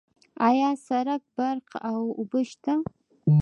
آیا سرک، برق او اوبه شته؟